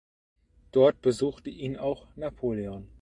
Dort besuchte ihn auch Napoleon.